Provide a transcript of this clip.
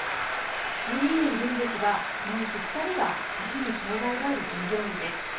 １２人、いるんですがこのうち２人が足に障害がある従業員です。